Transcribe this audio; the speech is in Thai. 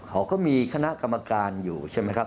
เขาก็มีคณะกรรมการอยู่ใช่ไหมครับ